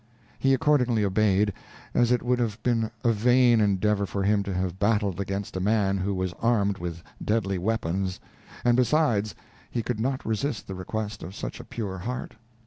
He accordingly obeyed, as it would have been a vain endeavor for him to have battled against a man who was armed with deadly weapons; and besides, he could not resist the request of such a pure heart.